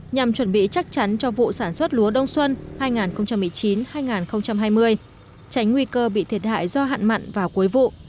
nhằm chuẩn bị chắc chắn cho vụ sản xuất lúa đông xuân hai nghìn một mươi chín hai nghìn hai mươi tránh nguy cơ bị thiệt hại do hạn mặn vào cuối vụ